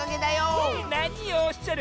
なにをおっしゃる！